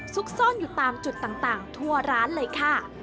ซุกซ่อนอยู่ตามจุดต่างทั่วร้านเลยค่ะ